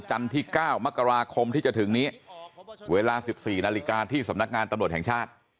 ที่๙มกราคมที่จะถึงนี้เวลา๑๔นาฬิกาที่สำนักงานตำรวจแห่งชาติ